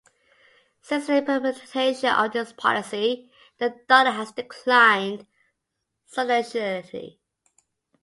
Since the implementation of this policy, the dollar has declined substantially.